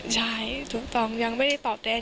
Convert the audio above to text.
ใช่ถูกต้องยังไม่ได้ตอบแทน